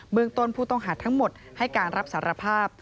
เมืองต้นผู้ต้องหาทั้งหมดให้การรับสารภาพ